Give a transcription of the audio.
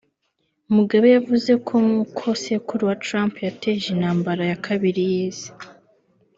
Mugabe yavuze ko nk’uko sekuru wa Trump (Hitler) yateje intambara ya kabiri y’Isi